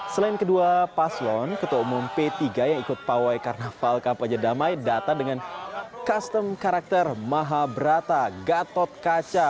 selain kedua paslon ketua umum p tiga yang ikut pawai karnaval kampanye damai data dengan custom karakter mahabrata gatot kaca